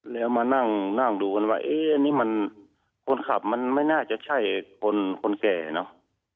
แล้วมานั่งดูกันว่าเอ๊ะนี่มันคนขับมันไม่น่าจะใช่คนคนแก่เนอะ